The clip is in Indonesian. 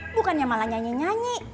bukannya malah nyanyi nyanyi